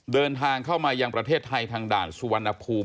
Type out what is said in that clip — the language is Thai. เดินทางเข้ามายังประเทศไทยทางด่านสุวรรณภูมิ